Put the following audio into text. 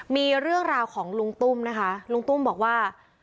มีเรื่องราวของลุงตุ้มนะคะลุงตุ้มบอกว่า